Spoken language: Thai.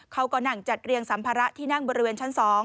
เขาก็นั่งจัดเรียงสัมภาระที่นั่งบริเวณชั้น๒